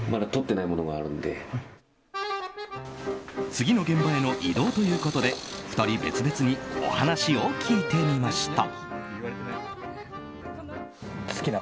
次の現場への移動ということで２人、別々にお話を聞いてみました。